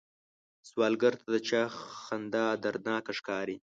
سوالګر ته د چا خندا دردناکه ښکاري